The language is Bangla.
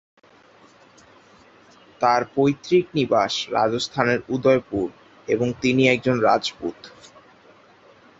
তার পৈতৃক নিবাস রাজস্থানের উদয়পুর, এবং তিনি একজন রাজপুত।